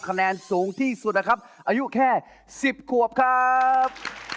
คะแนนสูงที่สุดนะครับอายุแค่๑๐ขวบครับ